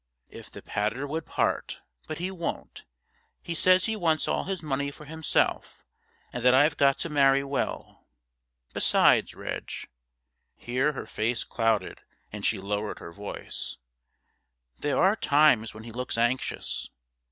'If the pater would part, but he won't; he says he wants all his money for himself, and that I've got to marry well. Besides, Reg' here her face clouded and she lowered her voice 'there are times when he looks anxious.